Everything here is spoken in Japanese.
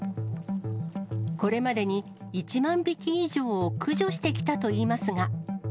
これまでに１万匹以上を駆除してきたといいますが。